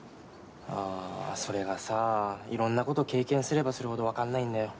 ああそれがさいろんな事経験すればするほどわかんないんだよ。